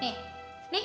nih pegang duitnya